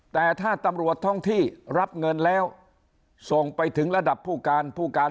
แต่ถ้าตำรวจท้องที่รับเงินแล้วส่งไปถึงระดับผู้การผู้การ